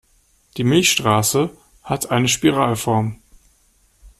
Die Milchstraße hat eine Spiralform.